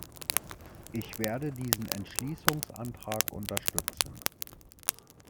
Ich werde diesen Entschließungsantrag unterstützen.